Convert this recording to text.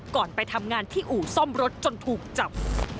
ไปทำงานที่อู่ซ่อมรถจนถูกจับ